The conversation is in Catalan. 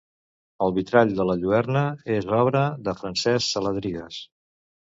El vitrall de la lluerna és obra de Francesc Saladrigues.